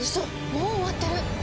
もう終わってる！